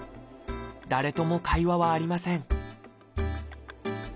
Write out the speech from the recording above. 誰とも会話はありません